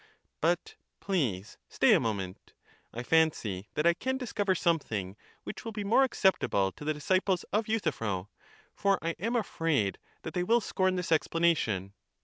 But please stay a moment ; I fancy that I can discover something which will be more acceptable to the disciples of Euthyphro, for I am afraid that they will scorn this explanation.